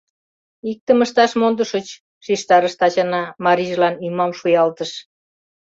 — Иктым ышташ мондышыч, — шижтарыш Тачана, марийжылан ӱмам шуялтыш.